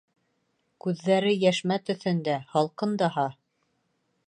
Күҙҙәре йәшмә төҫөндә, һалҡын даһа.